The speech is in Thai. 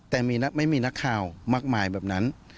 แต่ไม่มีนักข่าวมากมายแบบนั้น